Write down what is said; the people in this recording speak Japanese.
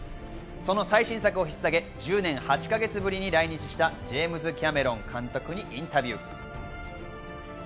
その最新作を引っ提げ、１０年８か月ぶりに来日したジェームズ・キャメロン監督にインタビュー。